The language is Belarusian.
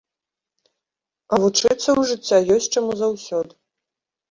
А вучыцца ў жыцця ёсць чаму заўсёды.